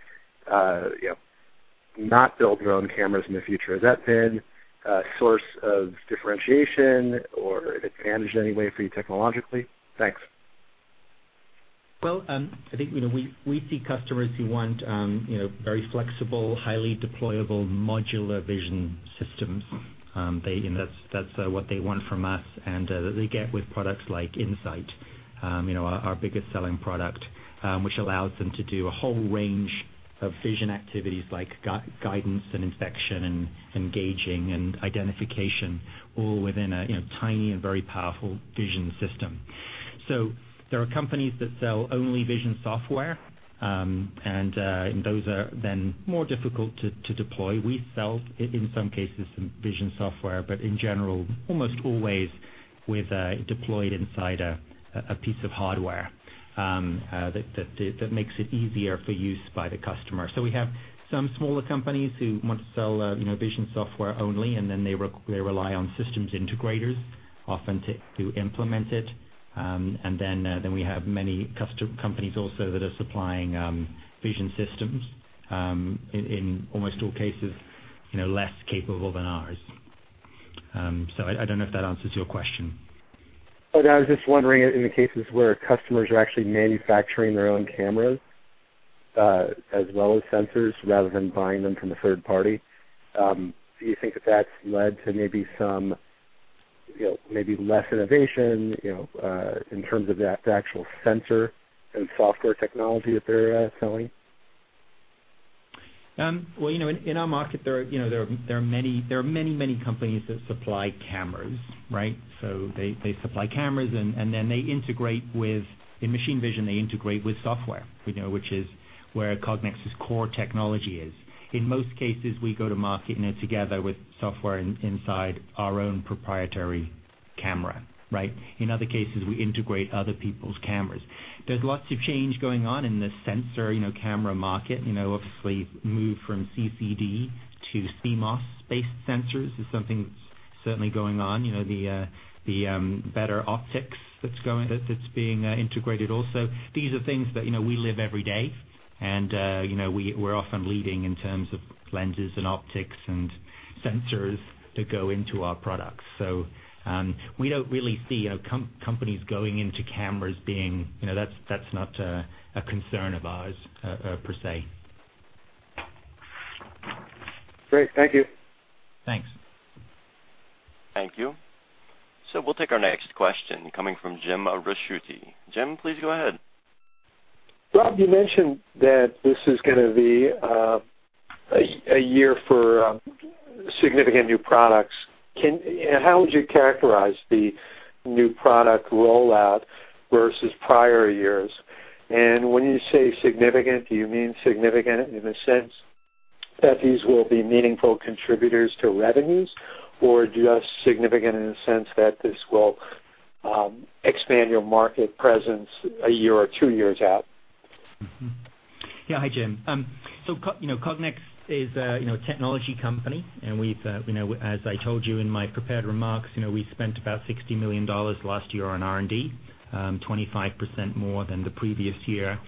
not build their own cameras in the future? Has that been a source of differentiation or an advantage in any way for you technologically? Thanks. Well, I think we see customers who want very flexible, highly deployable modular vision systems. That's what they want from us. And they get with products like In-Sight, our biggest selling product, which allows them to do a whole range of vision activities like guidance and inspection and engaging and identification, all within a tiny and very powerful vision system. So there are companies that sell only vision software, and those are then more difficult to deploy. We sell, in some cases, some vision software, but in general, almost always with deployed inside a piece of hardware that makes it easier for use by the customer. So we have some smaller companies who want to sell vision software only, and then they rely on systems integrators often to implement it. And then we have many companies also that are supplying vision systems in almost all cases less capable than ours. I don't know if that answers your question. But I was just wondering, in the cases where customers are actually manufacturing their own cameras as well as sensors rather than buying them from a third party, do you think that that's led to maybe some maybe less innovation in terms of the actual sensor and software technology that they're selling? Well, in our market, there are many, many companies that supply cameras, right? So they supply cameras, and then they integrate within machine vision; they integrate with software, which is where Cognex's core technology is. In most cases, we go to market together with software inside our own proprietary camera, right? In other cases, we integrate other people's cameras. There's lots of change going on in the sensor camera market. Obviously, we've moved from CCD to CMOS-based sensors, is something that's certainly going on. The better optics that's being integrated also. These are things that we live every day, and we're often leading in terms of lenses and optics and sensors that go into our products. So we don't really see companies going into cameras being that's not a concern of ours per se. Great. Thank you. Thanks. Thank you. So we'll take our next question coming from Jim Ricchiuti. Jim, please go ahead. Rob, you mentioned that this is going to be a year for significant new products. How would you characterize the new product rollout versus prior years? And when you say significant, do you mean significant in the sense that these will be meaningful contributors to revenues, or just significant in the sense that this will expand your market presence a year or two years out? Yeah. Hi, Jim. So Cognex is a technology company, and as I told you in my prepared remarks, we spent about $60 million last year on R&D, 25% more than the previous year.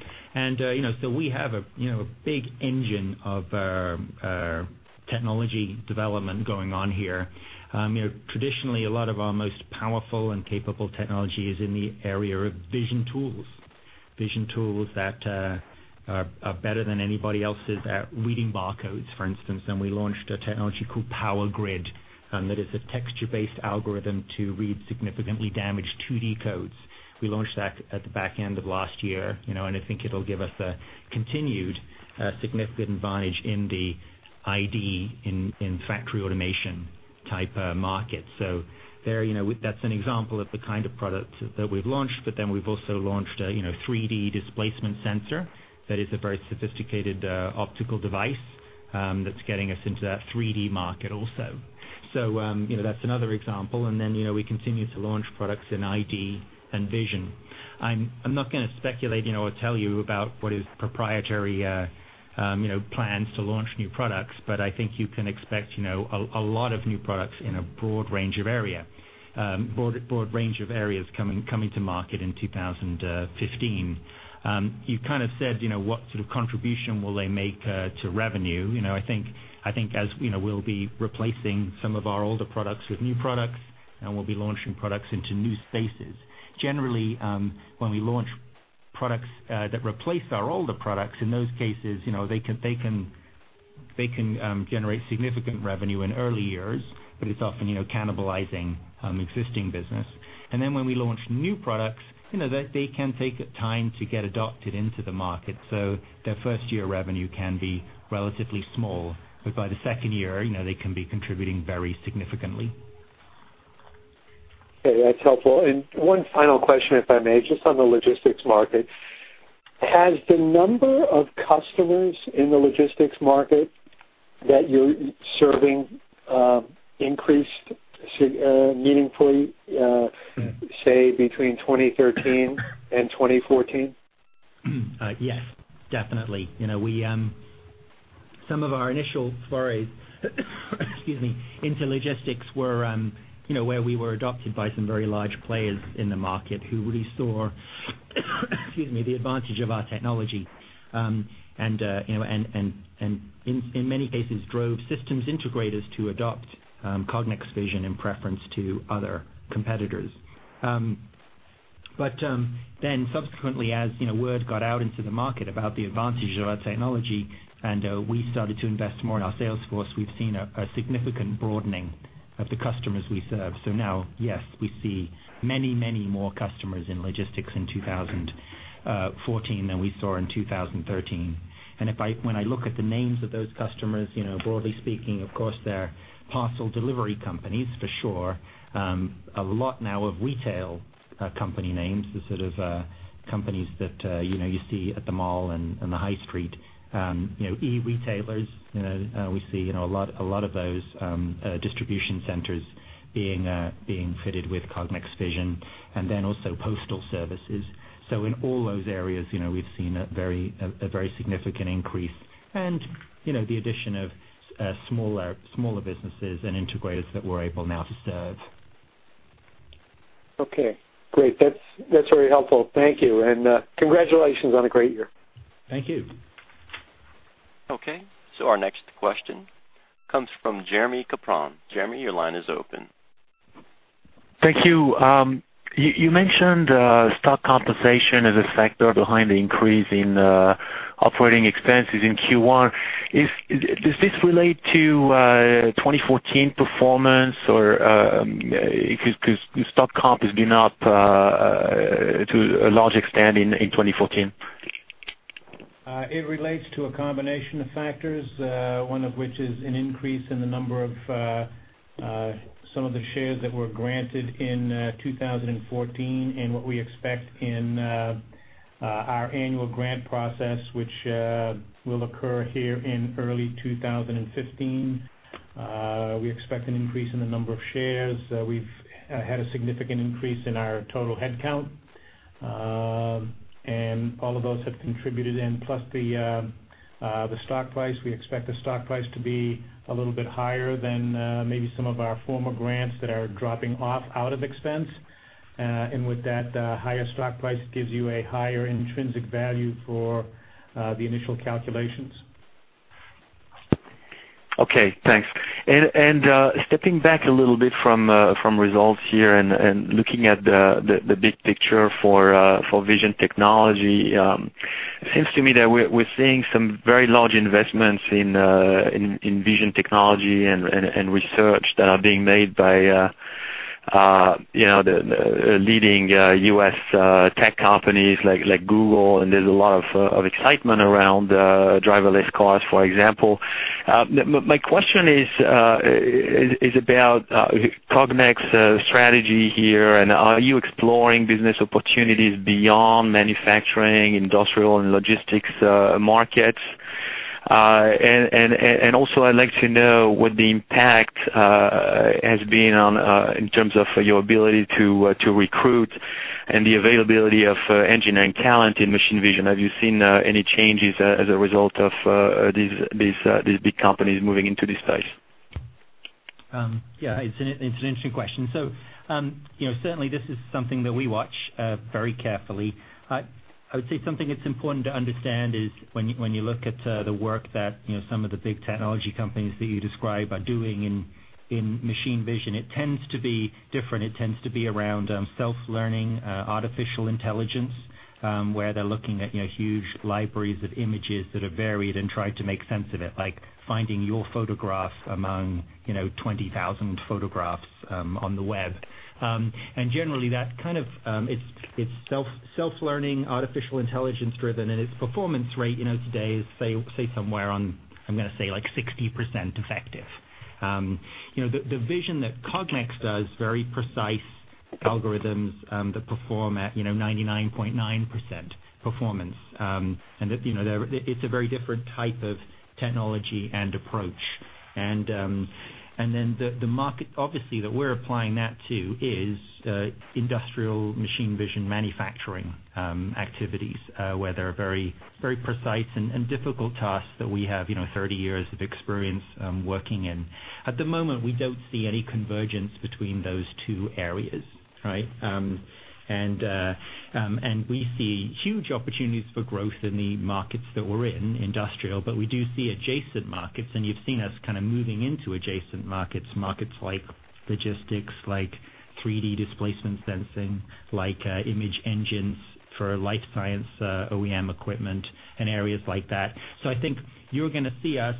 So we have a big engine of technology development going on here. Traditionally, a lot of our most powerful and capable technology is in the area of vision tools, vision tools that are better than anybody else's at reading barcodes. For instance, we launched a technology called PowerGrid that is a texture-based algorithm to read significantly damaged 2D codes. We launched that at the back end of last year, and I think it'll give us a continued significant advantage in the ID in factory automation type market. So that's an example of the kind of product that we've launched. But then we've also launched a 3D displacement sensor that is a very sophisticated optical device that's getting us into that 3D market also. So that's another example. And then we continue to launch products in ID and vision. I'm not going to speculate or tell you about what is proprietary plans to launch new products, but I think you can expect a lot of new products in a broad range of area, broad range of areas coming to market in 2015. You kind of said what sort of contribution will they make to revenue? I think as we'll be replacing some of our older products with new products, and we'll be launching products into new spaces. Generally, when we launch products that replace our older products, in those cases, they can generate significant revenue in early years, but it's often cannibalizing existing business. And then when we launch new products, they can take time to get adopted into the market. So their first year revenue can be relatively small, but by the second year, they can be contributing very significantly. Okay. That's helpful. One final question, if I may, just on the logistics market. Has the number of customers in the logistics market that you're serving increased meaningfully, say, between 2013 and 2014? Yes, definitely. Some of our initial flurries, excuse me, into logistics were where we were adopted by some very large players in the market who really saw, excuse me, the advantage of our technology and, in many cases, drove systems integrators to adopt Cognex vision in preference to other competitors. But then subsequently, as word got out into the market about the advantage of our technology and we started to invest more in our sales force, we've seen a significant broadening of the customers we serve. So now, yes, we see many, many more customers in logistics in 2014 than we saw in 2013. And when I look at the names of those customers, broadly speaking, of course, they're parcel delivery companies, for sure. A lot now of retail company names are sort of companies that you see at the mall and the high street. e-retailers, we see a lot of those distribution centers being fitted with Cognex vision, and then also postal services. So in all those areas, we've seen a very significant increase and the addition of smaller businesses and integrators that we're able now to serve. Okay. Great. That's very helpful. Thank you. Congratulations on a great year. Thank you. Okay. So our next question comes from Jeremy Capron. Jeremy, your line is open. Thank you. You mentioned stock compensation as a factor behind the increase in operating expenses in Q1. Does this relate to 2014 performance or because stock comp has been up to a large extent in 2014? It relates to a combination of factors, one of which is an increase in the number of some of the shares that were granted in 2014 and what we expect in our annual grant process, which will occur here in early 2015. We expect an increase in the number of shares. We've had a significant increase in our total headcount, and all of those have contributed. And plus the stock price, we expect the stock price to be a little bit higher than maybe some of our former grants that are dropping off out of expense. And with that, the higher stock price gives you a higher intrinsic value for the initial calculations. Okay. Thanks. And stepping back a little bit from results here and looking at the big picture for vision technology, it seems to me that we're seeing some very large investments in vision technology and research that are being made by the leading U.S. tech companies like Google. And there's a lot of excitement around driverless cars, for example. My question is about Cognex's strategy here, and are you exploring business opportunities beyond manufacturing, industrial, and logistics markets? And also, I'd like to know what the impact has been in terms of your ability to recruit and the availability of engineering talent in machine vision. Have you seen any changes as a result of these big companies moving into this space? Yeah. It's an interesting question. So certainly, this is something that we watch very carefully. I would say something that's important to understand is when you look at the work that some of the big technology companies that you describe are doing in machine vision, it tends to be different. It tends to be around self-learning, artificial intelligence, where they're looking at huge libraries of images that are varied and trying to make sense of it, like finding your photograph among 20,000 photographs on the web. And generally, that kind of it's self-learning, artificial intelligence-driven, and its performance rate today is, say, somewhere on, I'm going to say, like 60% effective. The vision that Cognex does, very precise algorithms that perform at 99.9% performance. And it's a very different type of technology and approach. And then the market, obviously, that we're applying that to is industrial machine vision manufacturing activities, where there are very precise and difficult tasks that we have 30 years of experience working in. At the moment, we don't see any convergence between those two areas, right? And we see huge opportunities for growth in the markets that we're in, industrial, but we do see adjacent markets. And you've seen us kind of moving into adjacent markets, markets like logistics, like 3D displacement sensing, like image engines for life science OEM equipment, and areas like that. So I think you're going to see us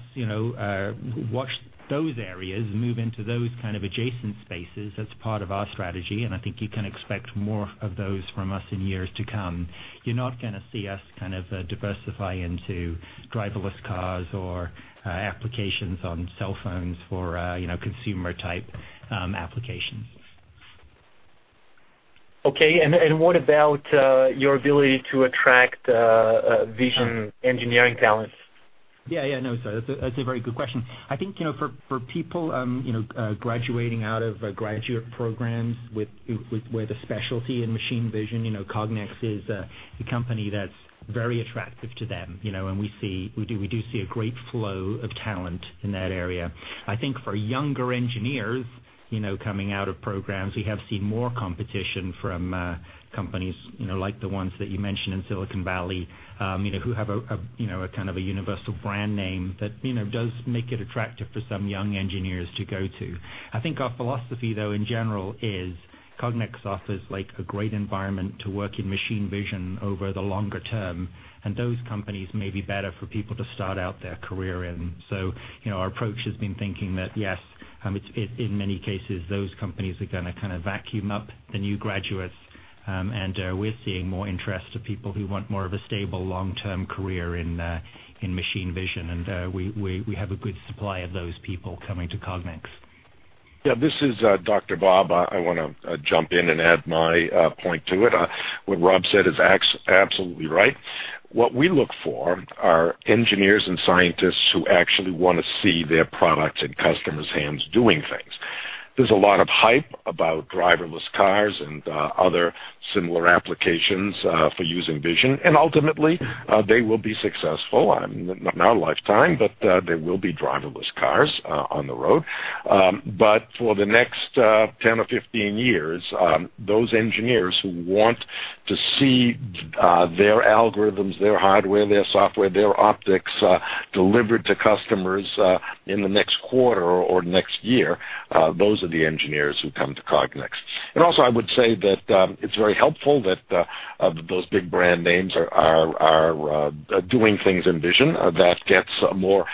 watch those areas move into those kind of adjacent spaces. That's part of our strategy, and I think you can expect more of those from us in years to come. You're not going to see us kind of diversify into driverless cars or applications on cell phones for consumer-type applications. Okay. What about your ability to attract vision engineering talents? Yeah. Yeah. No, sorry. That's a very good question. I think for people graduating out of graduate programs where the specialty in machine vision, Cognex is a company that's very attractive to them, and we do see a great flow of talent in that area. I think for younger engineers coming out of programs, we have seen more competition from companies like the ones that you mentioned in Silicon Valley who have a kind of a universal brand name that does make it attractive for some young engineers to go to. I think our philosophy, though, in general, is Cognex offers a great environment to work in machine vision over the longer term, and those companies may be better for people to start out their career in. So our approach has been thinking that, yes, in many cases, those companies are going to kind of vacuum up the new graduates, and we're seeing more interest of people who want more of a stable long-term career in machine vision. And we have a good supply of those people coming to Cognex. Yeah. This is Dr. Bob. I want to jump in and add my point to it. What Rob said is absolutely right. What we look for are engineers and scientists who actually want to see their products in customers' hands doing things. There's a lot of hype about driverless cars and other similar applications for using vision. And ultimately, they will be successful in our lifetime, but there will be driverless cars on the road. But for the next 10 or 15 years, those engineers who want to see their algorithms, their hardware, their software, their optics delivered to customers in the next quarter or next year, those are the engineers who come to Cognex. And also, I would say that it's very helpful that those big brand names are doing things in vision that gets more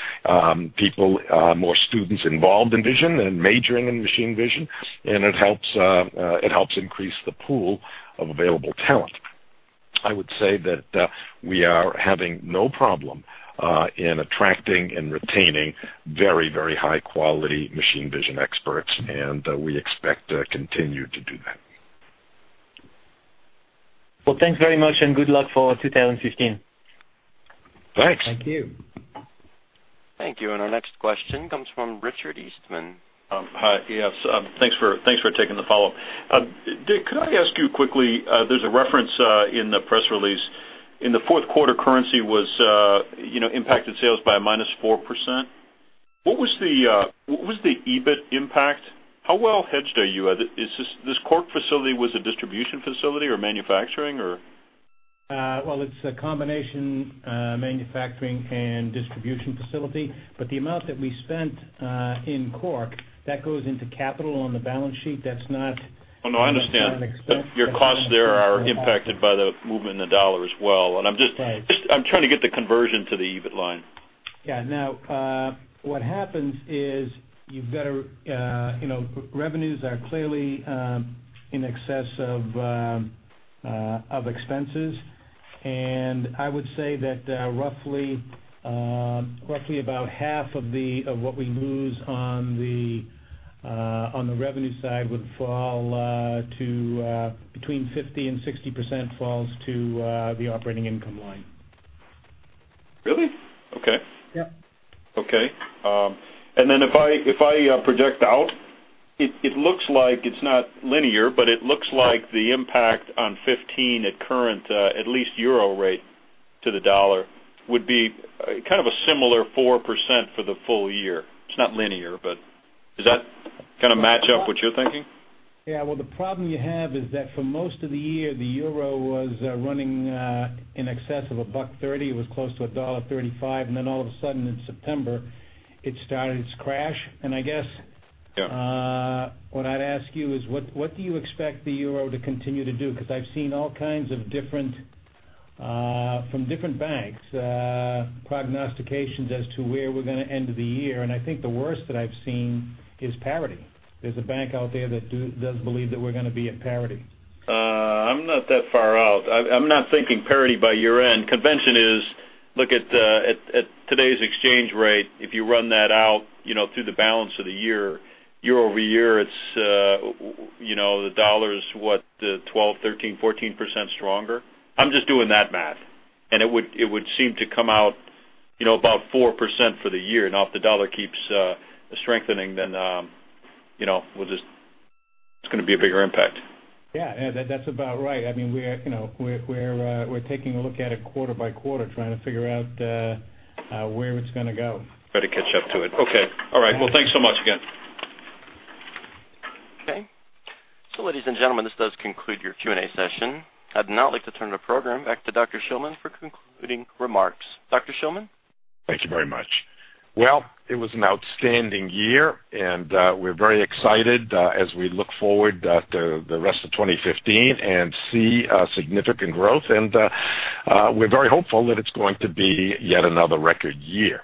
people, more students involved in vision and majoring in machine vision. It helps increase the pool of available talent. I would say that we are having no problem in attracting and retaining very, very high-quality machine vision experts, and we expect to continue to do that. Well, thanks very much, and good luck for 2015. Thanks. Thank you. Thank you. Our next question comes from Richard Eastman. Hi. Yes. Thanks for taking the follow-up. Dick, could I ask you quickly? There's a reference in the press release. In the fourth quarter, currency was impacted sales by -4%. What was the EBIT impact? How well hedged are you? This Cork facility was a distribution facility or manufacturing, or? Well, it's a combination manufacturing and distribution facility. But the amount that we spent in Cork, that goes into capital on the balance sheet. That's not. Oh, no. I understand. Your costs there are impacted by the movement in the US dollar as well. I'm just trying to get the conversion to the EBIT line. Yeah. Now, what happens is you've got the revenues are clearly in excess of expenses. I would say that roughly about half of what we lose on the revenue side would fall to between 50% and 60% falls to the operating income line. Really? Okay. Yep. Okay. And then if I project out, it looks like it's not linear, but it looks like the impact on 2015 at current, at least euro rate to the dollar, would be kind of a similar 4% for the full year. It's not linear, but does that kind of match up what you're thinking? Yeah. Well, the problem you have is that for most of the year, the euro was running in excess of $1.30. It was close to $1.35. And then all of a sudden, in September, it started its crash. And I guess what I'd ask you is, what do you expect the euro to continue to do? Because I've seen all kinds of different from different banks prognostications as to where we're going to end of the year. And I think the worst that I've seen is parity. There's a bank out there that does believe that we're going to be at parity. I'm not that far out. I'm not thinking parity by year-end. Convention is, look at today's exchange rate. If you run that out through the balance of the year, year over year, it's the dollar's what, 12%, 13%, 14% stronger? I'm just doing that math. And it would seem to come out about 4% for the year. And if the dollar keeps strengthening, then we'll just it's going to be a bigger impact. Yeah. Yeah. That's about right. I mean, we're taking a look at it quarter by quarter, trying to figure out where it's going to go. Try to catch up to it. Okay. All right. Well, thanks so much again. Okay. So ladies and gentlemen, this does conclude your Q&A session. I'd now like to turn the program back to Dr. Shillman for concluding remarks. Dr. Shillman? Thank you very much. Well, it was an outstanding year, and we're very excited as we look forward to the rest of 2015 and see significant growth. We're very hopeful that it's going to be yet another record year.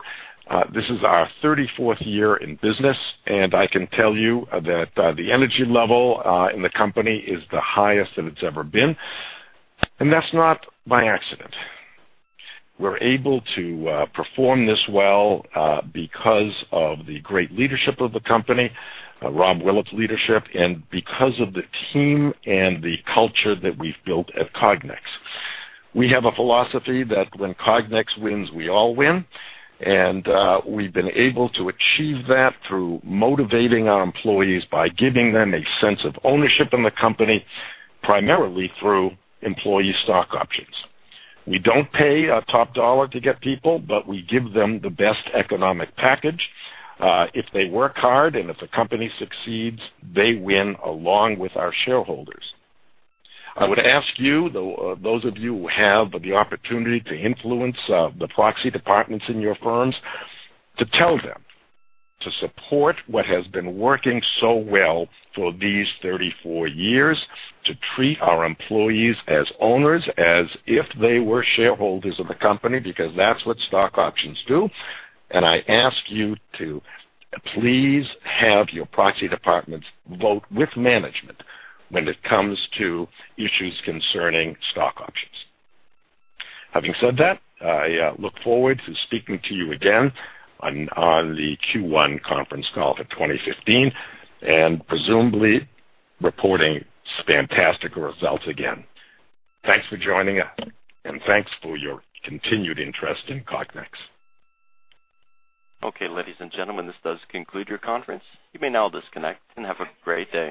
This is our 34th year in business, and I can tell you that the energy level in the company is the highest that it's ever been. That's not by accident. We're able to perform this well because of the great leadership of the company, Rob Willett's leadership, and because of the team and the culture that we've built at Cognex. We have a philosophy that when Cognex wins, we all win. We've been able to achieve that through motivating our employees by giving them a sense of ownership in the company, primarily through employee stock options. We don't pay a top dollar to get people, but we give them the best economic package. If they work hard and if the company succeeds, they win along with our shareholders. I would ask you, those of you who have the opportunity to influence the proxy departments in your firms, to tell them to support what has been working so well for these 34 years, to treat our employees as owners as if they were shareholders of the company because that's what stock options do. I ask you to please have your proxy departments vote with management when it comes to issues concerning stock options. Having said that, I look forward to speaking to you again on the Q1 conference call for 2015 and presumably reporting fantastic results again. Thanks for joining us, and thanks for your continued interest in Cognex. Okay. Ladies and gentlemen, this does conclude your conference. You may now disconnect and have a great day.